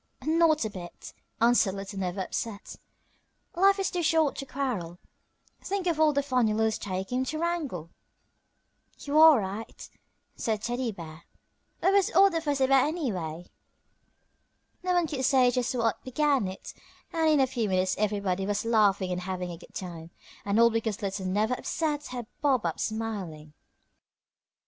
"Not a bit," answered Little Never upset; "life is too short to quarrel. Think of all the fun you lose taking time to wrangle." "You are right," said Teddy Bear. "What was all the fuss about, anyway?" No one could say just what began it, and in a few minutes everybody was laughing and having a good time, and all because Little Never upset had bobbed up smiling.